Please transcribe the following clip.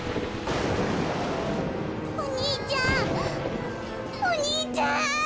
お兄ちゃんお兄ちゃん！